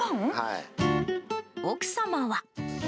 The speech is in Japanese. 奥様は。